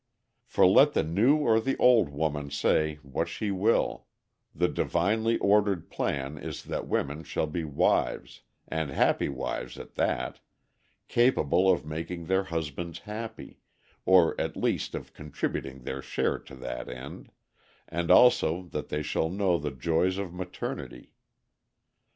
For let the new or the old woman say what she will, the divinely ordered plan is that women shall be wives, and happy wives at that, capable of making their husbands happy, or at least of contributing their share to that end, and also that they shall know the joys of maternity.